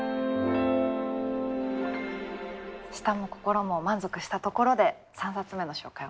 舌も心も満足したところで３冊目の紹介